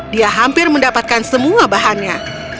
dia hampir mendapatkan semua bahannya